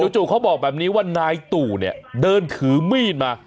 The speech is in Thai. จริงเขาบอกแบบนี้ว่านายตู่เดินถือมีดมา